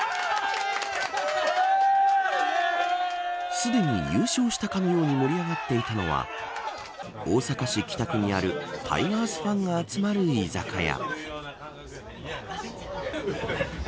すでに優勝したかのように盛り上がっていたのは大阪市北区にあるタイガースファンが集まる居酒屋。